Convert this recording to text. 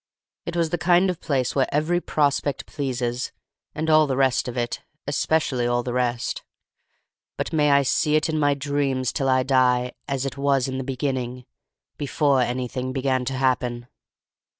"It was the kind of place where every prospect pleases—and all the rest of it—especially all the rest. But may I see it in my dreams till I die—as it was in the beginning—before anything began to happen.